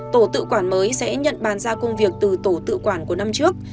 tổ tự quản mới sẽ nhận bàn ra công việc từ tổ tự quản của năm trước